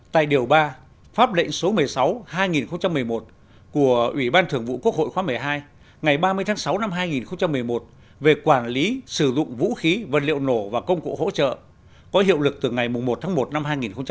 tại điều ba pháp lệnh số một mươi sáu hai nghìn một mươi một của ủy ban thường vụ quốc hội khóa một mươi hai ngày ba mươi tháng sáu năm hai nghìn một mươi một về quản lý sử dụng vũ khí vật liệu nổ và công cụ hỗ trợ có hiệu lực từ ngày một tháng một năm hai nghìn một mươi chín